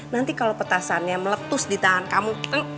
nanti kalau petasannya meletus di tangan kamu